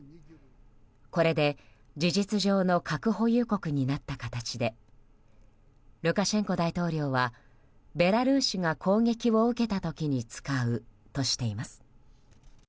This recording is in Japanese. これで、事実上の核保有国になった形でルカシェンコ大統領はベラルーシが攻撃を受けた時に使うとしています。